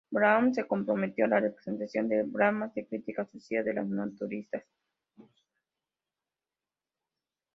Brahm se comprometió a la representación de dramas de crítica social de los naturalistas.